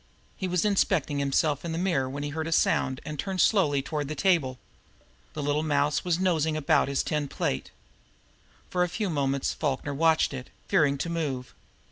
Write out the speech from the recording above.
He was inspecting himself in the mirror when he heard a sound that turned him slowly toward the table. The little mouse was nosing about his tin plate. For a few moments Falkner watched it, fearing to move.